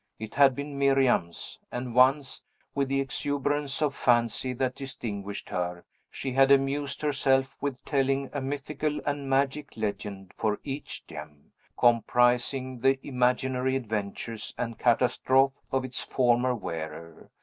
It had been Miriam's; and once, with the exuberance of fancy that distinguished her, she had amused herself with telling a mythical and magic legend for each gem, comprising the imaginary adventures and catastrophe of its former wearer.